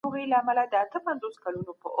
دوی له بېلابېلو تکتيکونو کار اخلي.